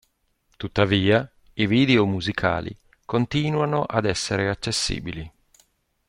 Tuttavia, i video musicali continuano ad essere accessibili.